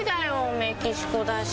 メキシコだし。